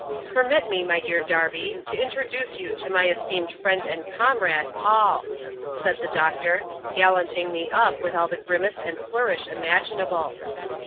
*^ Permit me, my dear Darby, to introduee to you my esteemed friend and comrade, Paul," said the doctor, gallanting me op with all the grimace and flourish imaginable.